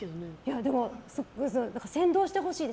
でも、先導してほしいです。